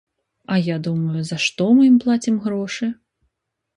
А я думаю, за што мы ім плацім грошы?